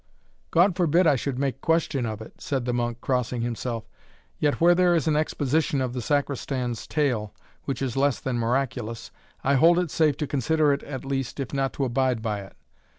"God forbid I should make question of it," said the monk, crossing himself; "yet, where there is an exposition of the Sacristan's tale, which is less than miraculous, I hold it safe to consider it at least, if not to abide by it.